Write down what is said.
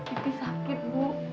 ibu sakit bu